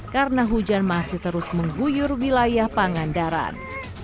karena hujan masih terus mengguyur wilayah pangandaran